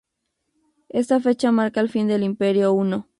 Esta fecha marca el fin del imperio huno.